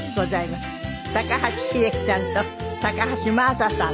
高橋英樹さんと高橋真麻さん。